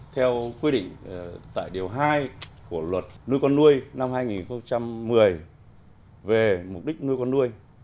theo quy định tại điều hai của luật nuôi con nuôi năm hai nghìn một mươi về mục đích nuôi con nuôi